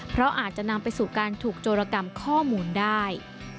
เพราะอาจจะนำไปสู่การถูกโจรกรรมข้อมูลได้